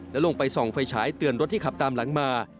และลงไปส่องไฟฉายเตือนรถที่ขับตามหลังมา